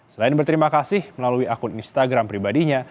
selain berterima kasih melalui akun instagram pribadinya